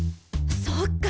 そっか！